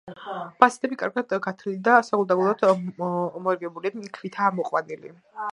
ფასადები კარგად გათლილი და საგულდაგულოდ მორგებული ქვითაა ამოყვანილი.